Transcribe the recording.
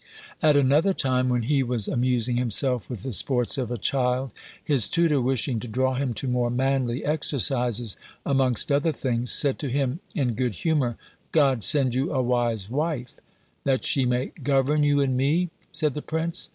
At another time, when he was amusing himself with the sports of a child, his tutor wishing to draw him to more manly exercises, amongst other things, said to him in good humour, "God send you a wise wife!" "That she may govern you and me!" said the prince.